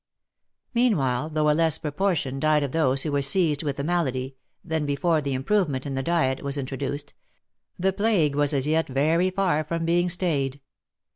Meanwhile, though a less proportion died of those who were seized with the malady, than before the improvement in the diet was intro duced, the plague was as yet very far from being stayed.